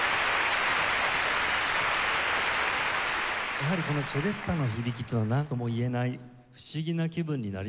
やはりこのチェレスタの響きっていうのはなんとも言えない不思議な気分になりますね。